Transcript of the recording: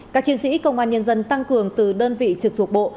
các chiến sĩ công an nhân dân tăng cường từ đơn vị trực thuộc bộ